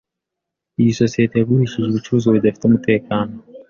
Iyi sosiyete yagurishije ibicuruzwa bidafite umutekano.